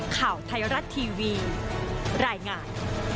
ข่าวไทยรัฐทีวีรายงาน